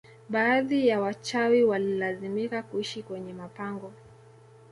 Baadhi ya wachawi walilazimika kuishi kwenye mapango